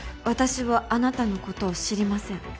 私はあなたのことを知りません。